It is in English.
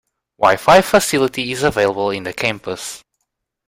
Wi-fi facility is available in the campus.